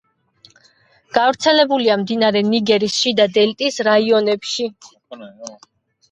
გავრცელებულია მდინარე ნიგერის შიდა დელტის რაიონებში.